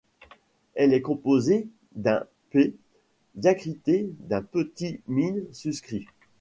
Elle est composée d’un pe diacrité d’un petit mīm suscrit.